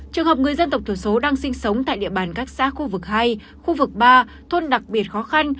trường hợp người dân tộc thiểu số đang sinh sống tại địa bàn các xã khu vực hai khu vực ba thôn đặc biệt khó khăn